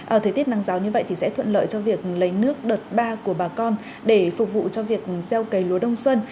ở thời tiết nắng ráo như vậy thì sẽ thuận lợi cho việc lấy nước đợt ba của bà con để phục vụ cho việc gieo cấy lúa đông xuân